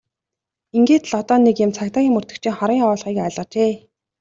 Ингээд одоо л нэг юм цагдаагийн мөрдөгчийн хорон явуулгыг ойлгожээ!